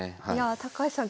高橋さん